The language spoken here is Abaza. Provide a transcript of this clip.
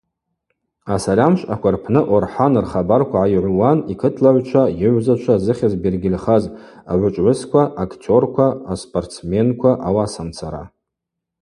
Асальамшвъаква рпны Орхӏан рхабарква гӏайыгӏвуан йкытлагӏвчва, йыгӏвзачва, зыхьыз бергьыльхаз агӏвычӏвгӏвысква – актёрква, аспортсменква, ауасамцара.